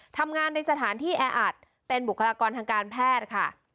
ทำงานในสถานที่แออัดเป็นบุคลากรทางการแพทย์ค่ะ